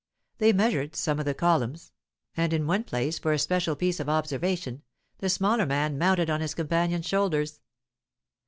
They measured some of the columns, and in one place, for a special piece of observation, the smaller man mounted on his companion's shoulders.